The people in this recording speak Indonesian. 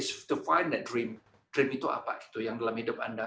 saya mencari impian itu dalam hidup anda